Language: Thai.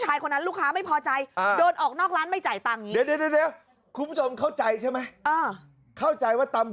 ว่าตำบวบคืออะไรใช่ไหม